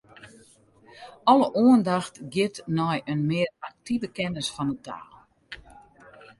Alle oandacht giet nei in mear aktive kennis fan 'e taal.